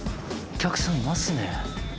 お客さんいますね。